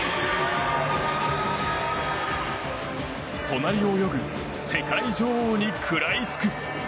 隣を泳ぐ世界女王に食らいつく。